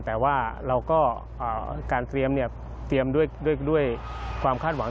แต่ว่าเราก็การเตรียมเนี่ยเตรียมด้วยความคาดหวัง